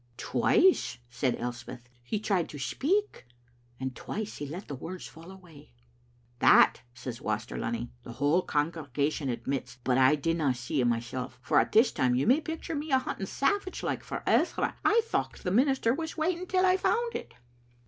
"Twice," said Elspeth, "he tried to speak, and twice he let the words fall." "That," says Waster Lunny, "the whole congrega tion admits, but I didna see it mysel', for a' this time you may picture me hunting savage like for Ezra. I thocht tiie minister was waiting till I found it."